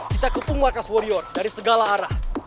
kita kepung markas warrior dari segala arah